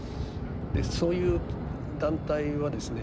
そういう団体はですね